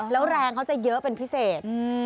แล้วแรงเขาจะเยอะเป็นพิเศษ